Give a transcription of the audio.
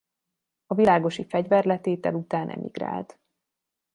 A világosi fegyverletétel után emigrált.